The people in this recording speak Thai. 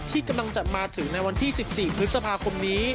ที่กำลังจะมาถึงในวันที่๑๔พฤษภาคมนี้